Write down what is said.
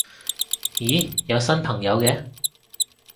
咦有新朋友嘅